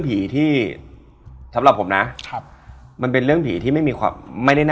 ที่เพื่อนประสบ